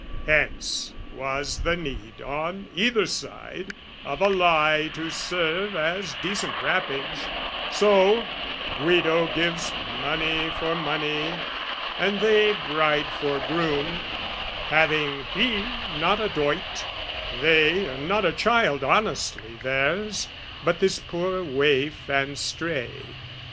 Hence was the need, on either side, of a lie To serve as decent wrappage: so, Guido gives Money for money, and they, bride for groom, Having, he, not a doit, they, not a child Honestly theirs, but this poor waif and stray.